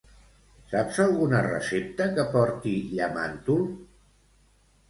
Saps alguna recepta que porti llamàntol?